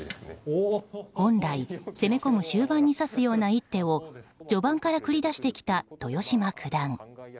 本来、攻め込む終盤に指すような一手を序盤から繰り出してきた豊島九段。